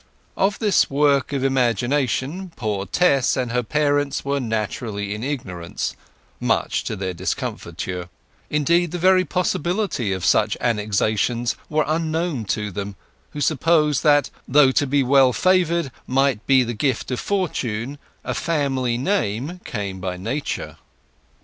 Of this work of imagination poor Tess and her parents were naturally in ignorance—much to their discomfiture; indeed, the very possibility of such annexations was unknown to them; who supposed that, though to be well favoured might be the gift of fortune, a family name came by nature.